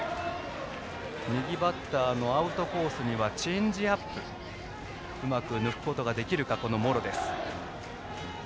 右バッターのアウトコースにはチェンジアップうまく抜くことができるか、茂呂。